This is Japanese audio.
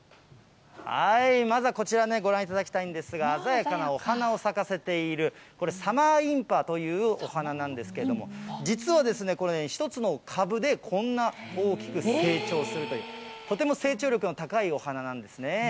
まずはこちら、ご覧いただきたいんですが、鮮やかなお花を咲かせているこれ、サマーインパというお花なんですけれども、実はこれ、このように１つの株でこんな大きく成長するという、とても成長力の高いお花なんですね。